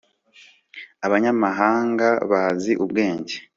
Abanyamahanga bazi ubwenge